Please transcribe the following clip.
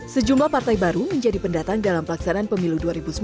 sejumlah partai baru menjadi pendatang dalam pelaksanaan pemilu dua ribu sembilan belas